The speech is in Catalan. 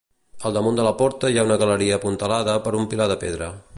Al damunt de la porta hi ha una galeria apuntalada per un pilar de pedra.